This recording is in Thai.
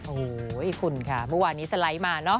โอ้โหคุณค่ะเมื่อวานนี้สไลด์มาเนอะ